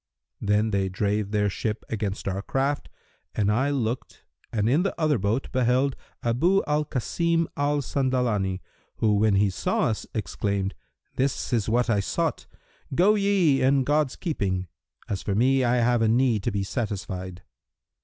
Then they drave their ship against our craft and I looked and in the other boat beheld Abu al Kasim al Sandalani who when he saw us exclaimed 'This is what I sought: go ye in God's keeping; as for me, I have a need to be satisfied!'